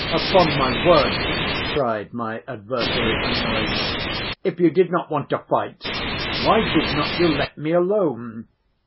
"Upon my word," cried my adversary, annoyed, "if you did not want to fight, why did not you let me alone?"